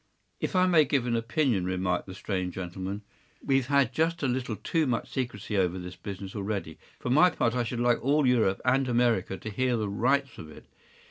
” “If I may give an opinion,” remarked the strange gentleman, “we’ve had just a little too much secrecy over this business already. For my part, I should like all Europe and America to hear the rights of it.